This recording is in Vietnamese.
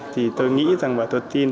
thì tôi nghĩ và tôi tin